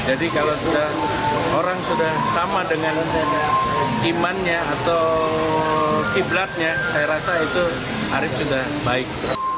jadi kalau sudah orang sudah sama dengan imannya atau kiblatnya saya rasa itu arief sudah baik